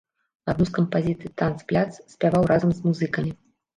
Адну з кампазіцый танцпляц спяваў разам з музыкамі.